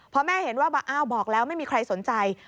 พอแม่เห็นว่าอ้าวบอกแล้วไม่มีใครสนใจ